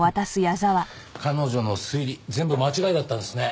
彼女の推理全部間違いだったんですね。